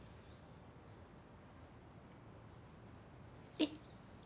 えっ？